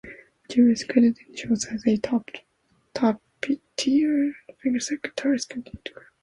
Juber's credentials as a top-tier fingerstyle guitarist continue to grow.